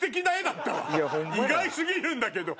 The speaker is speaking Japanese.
意外過ぎるんだけど。